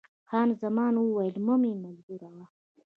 خان زمان وویل، مه مې مجبوروه.